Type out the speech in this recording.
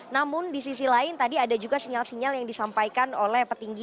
namun di sisi lain tadi ada juga sinyal sinyal yang disampaikan oleh petinggi